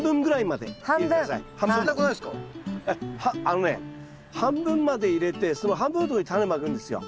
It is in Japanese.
あのね半分まで入れてその半分のとこにタネまくんですよ。